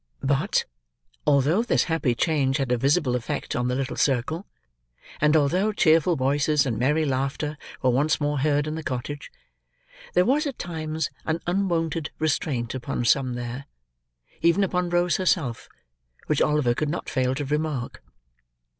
But, although this happy change had a visible effect on the little circle; and although cheerful voices and merry laughter were once more heard in the cottage; there was at times, an unwonted restraint upon some there: even upon Rose herself: which Oliver could not fail to remark.